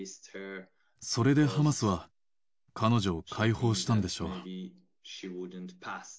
それでハマスは彼女を解放したんでしょう。